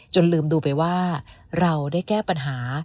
ลืมดูไปว่าเราได้แก้ปัญหา